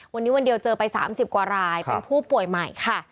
วันนี้วันเดียวเจอไป๓๐กว่ารายเป็นผู้ป่วยใหม่ค่ะ